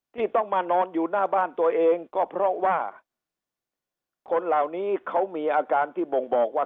ที่ต้องมานอนอยู่หน้าบ้านตัวเองก็เพราะว่าคนเหล่านี้เขามีอาการที่บ่งบอกว่า